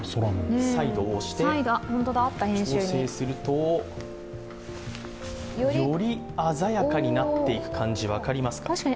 彩度を押して調整するとより鮮やかになっていく感じ、分かりますか？